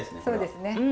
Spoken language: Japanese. そうですね。